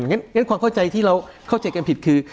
งั้นความเข้าใจที่เราเข้าใจกันผิดคือ